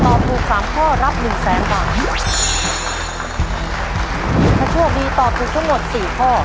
ถูกสามข้อรับหนึ่งแสนบาทถ้าโชคดีตอบถูกทั้งหมดสี่ข้อ